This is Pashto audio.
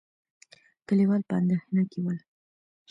کليوال په اندېښنه کې ول.